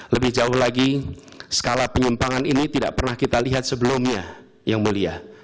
lebih jauh lagi skala penyimpangan ini tidak pernah kita lihat sebelumnya yang mulia